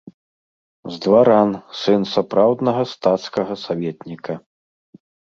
З дваран, сын сапраўднага стацкага саветніка.